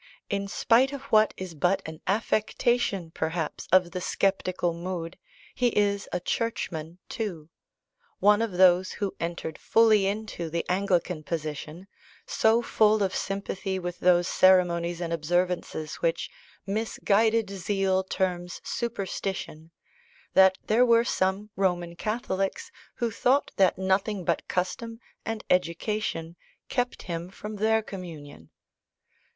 In spite of what is but an affectation, perhaps, of the sceptical mood, he is a Churchman too; one of those who entered fully into the Anglican position, so full of sympathy with those ceremonies and observances which "misguided zeal terms superstition," that there were some Roman Catholics who thought that nothing but custom and education kept him from their communion.